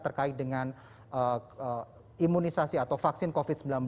terkait dengan imunisasi atau vaksin covid sembilan belas